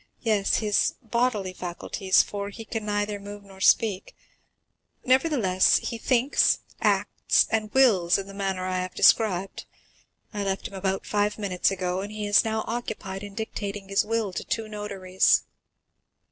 "Yes, his bodily faculties, for he can neither move nor speak, nevertheless he thinks, acts, and wills in the manner I have described. I left him about five minutes ago, and he is now occupied in dictating his will to two notaries."